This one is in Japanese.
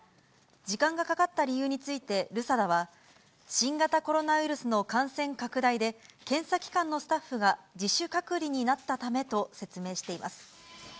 時間がかかった理由についてルサダは、新型コロナウイルスの感染拡大で、検査機関のスタッフが自主隔離になったためと説明しています。